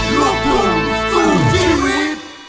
ตัวเราเท่าไร